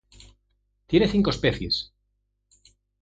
Tiene cinco especies.